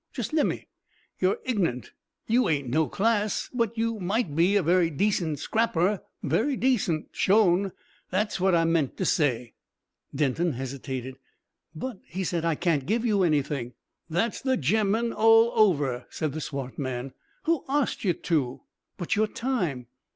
Jest lemme. You're ig'nant, you ain't no class; but you might be a very decent scrapper very decent. Shown. That's what I meant to say." Denton hesitated. "But " he said, "I can't give you anything " "That's the ge'man all over," said the swart man. "Who arst you to?" "But your time?"